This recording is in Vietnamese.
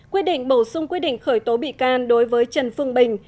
quyết định bổ sung quyết định khởi tố bị can đối với trần phương bình